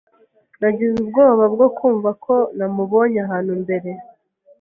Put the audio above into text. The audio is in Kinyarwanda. Nagize ubwoba bwo kumva ko namubonye ahantu mbere.